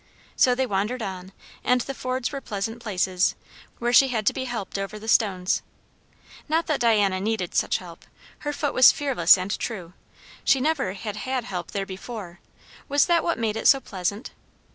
So they wandered on; and the fords were pleasant places, where she had to be helped over the stones. Not that Diana needed such help; her foot was fearless and true; she never had had help there before: was that what made it so pleasant?